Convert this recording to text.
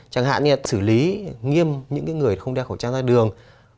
chẳng hạn như là xử lý nghiêm những người không đeo khẩu trang ra đường